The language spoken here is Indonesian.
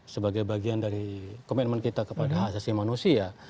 sebagai bagian dari komitmen kita kepada asasi manusia